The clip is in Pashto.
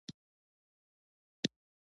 لا هم ولسواکۍ ته د رسېدو لپاره اوږد مزل پاتې و.